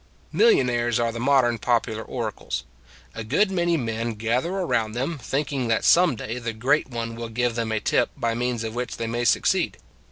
Millionaires are the modern popular oracles; a good many men gather around them, thinking that some day the great one will give them a tip by means of which they may succeed.